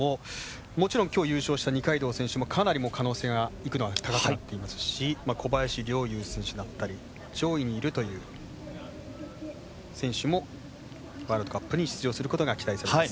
もちろん今日、優勝した二階堂選手もかなり可能性がいくのは高くなっていますし小林陵侑選手だったり上位にいるという選手もワールドカップに出場することが期待されます。